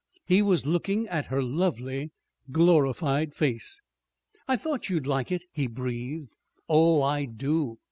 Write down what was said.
He was looking at her lovely, glorified face. "I thought you'd like it," he breathed. "Oh, I do."